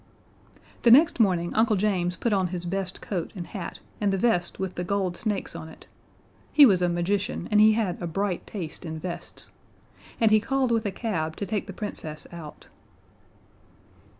The next morning Uncle James put on his best coat and hat and the vest with the gold snakes on it he was a magician, and he had a bright taste in vests and he called with a cab to take the Princess out.